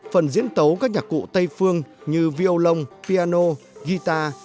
phần diễn tấu các nhạc cụ tây phương như violon piano guitar